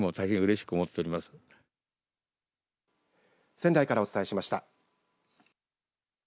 仙台からお伝えしました。